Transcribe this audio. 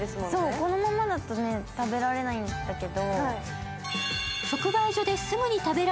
このままだとね、食べられないんだけど。